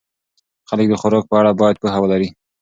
خلک د خوراک په اړه باید پوهه ولري.